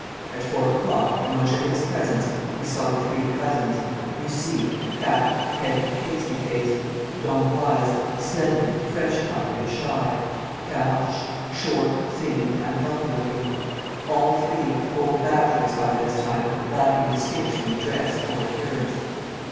At four o'clock, in Angélique's presence, he saw the three cousins: Mussy, fat, heavy, pasty faced; d'Emboise, slender, fresh coloured and shy: Caorches, short, thin and unhealthy looking: all three, old bachelors by this time, lacking distinction in dress or appearance.